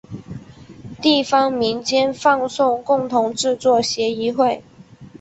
地方民间放送共同制作协议会。